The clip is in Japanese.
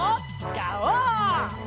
ガオー！